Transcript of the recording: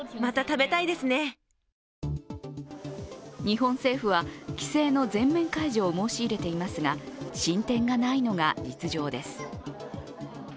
日本政府は規制の全面解除を申し入れていますが進展がないのが実情です。